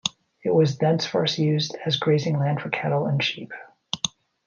It was thenceforth used as grazing land for cattle and sheep.